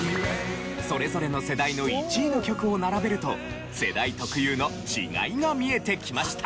それぞれの世代の１位の曲を並べると世代特有の違いが見えてきました。